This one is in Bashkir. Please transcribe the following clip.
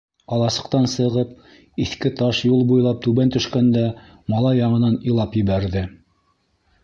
Аласыҡтан сығып, иҫке таш юл буйлап түбән төшкәндә, малай яңынан илап ебәрҙе.